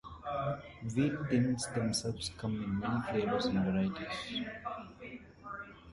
Wheat Thins themselves come in many flavors and varieties.